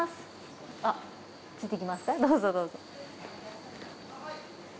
あついてきますかどうぞどうぞ。